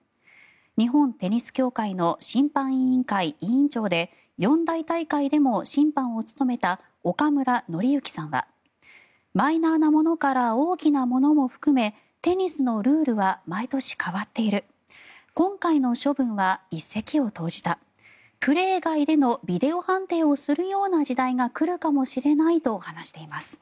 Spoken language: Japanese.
日本テニス協会の審判委員会委員長で四大大会でも委員長を務めた岡村徳之さんはマイナーなものから大きなものも含めテニスのルールは毎年変わっている今回の処分は一石を投じたプレー外でのビデオ判定をするような時代が来るかもしれないと話しています。